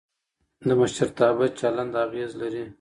د مشرتابه چلند اغېز لري